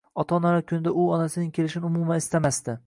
Ota-onalar kunida u onasining kelishini umuman istamasdi